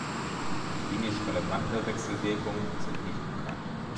Klinisch relevante Wechselwirkungen sind nicht bekannt.